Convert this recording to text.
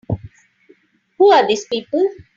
Who are these people?